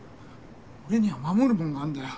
俺には守るもんがあんだよ。